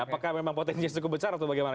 apakah memang potensinya cukup besar atau bagaimana